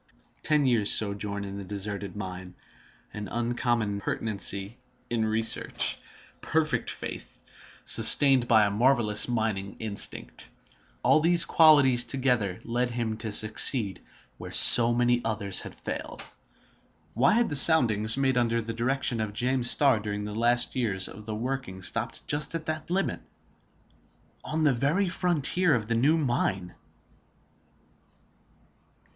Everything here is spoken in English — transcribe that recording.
Ten years' sojourn in the deserted mine, an uncommon pertinacity in research, perfect faith, sustained by a marvelous mining instinct—all these qualities together led him to succeed where so many others had failed. Why had the soundings made under the direction of James Starr during the last years of the working stopped just at that limit, on the very frontier of the new mine?